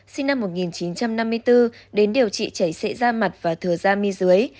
sinh năm một nghìn chín trăm năm mươi bốn đến điều trị chảy xệ da mặt và thừa da mi dưới